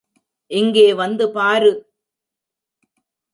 இங்கே வந்து பாரு!